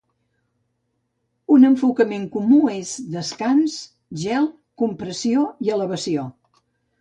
Un enfocament comú és descans, gel, compressió i elevació.